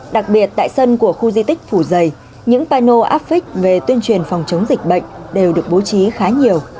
đặc biệt tại sân của khu di tích phủ giày những pano áp vích về tuyên truyền phòng chống dịch bệnh đều được bố trí khá nhiều